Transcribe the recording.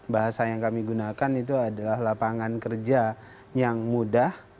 bahasa yang kami gunakan itu adalah lapangan kerja yang mudah